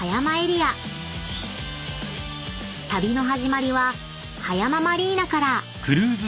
［旅の始まりは葉山マリーナから］